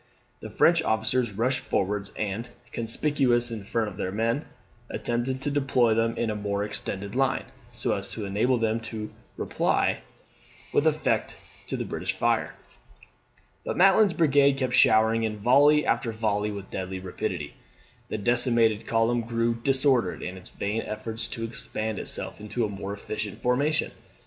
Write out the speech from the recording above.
The French officers rushed forwards; and, conspicuous in front of their men, attempted to deploy them into a more extended line, so as to enable them to reply with effect to the British fire. But Maitland's brigade kept showering in volley after volley with deadly rapidity. The decimated column grew disordered in its vain efforts to expand itself into a more efficient formation.